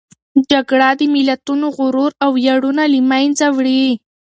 جګړه د ملتونو غرور او ویاړونه له منځه وړي.